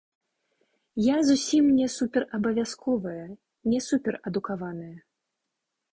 Я зусім не суперабавязковая, не суперадукаваная.